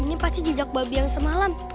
ini pasti jejak babi yang semalam